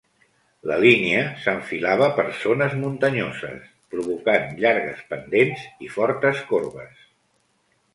La línia s'enfilava per zones muntanyoses, provocant llargues pendents i fortes corbes.